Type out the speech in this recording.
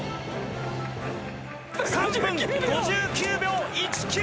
３分５９秒１９！